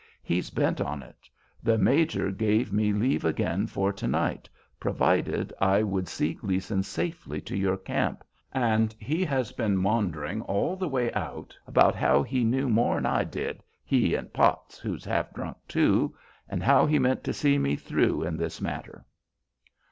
He's bent on it. The major gave me leave again for to night, provided I would see Gleason safely to your camp, and he has been maundering all the way out about how he knew more'n I did, he and Potts, who's half drunk too, and how he meant to see me through in this matter."